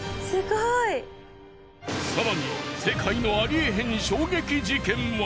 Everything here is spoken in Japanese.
更に世界のありえへん衝撃事件は？